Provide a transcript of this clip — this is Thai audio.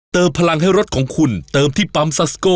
พลังให้รถของคุณเติมที่ปั๊มซัสโก้